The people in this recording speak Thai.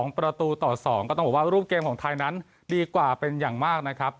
ประตูต่อ๒ก็ต้องบอกว่ารูปเกมของไทยนั้นดีกว่าเป็นอย่างมากนะครับ